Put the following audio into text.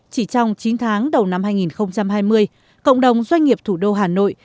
chỉ trong chín tháng đầu năm hai nghìn hai mươi cộng đồng doanh nghiệp thủ đô hà nội